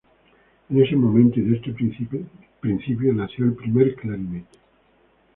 En este momento y de este principio nació el primer clarinete.